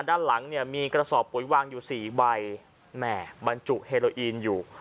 ด้านหลังเนี่ยมีกระสอบปุ๋ยวางอยู่สี่ใบแหม่บรรจุเฮโลอีนอยู่